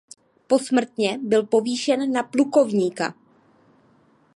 Posmrtně byl povýšen na plukovníka.